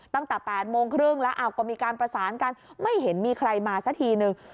ตั้งแต่๘โมงครึ่งแล้วก็มีการประสานกันไม่เห็นมีใครมาสักทีนึง